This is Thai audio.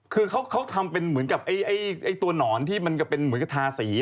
คือเขาทำเป็นเหมือนกับตัวหนอนที่มันก็เป็นเหมือนกับทาสี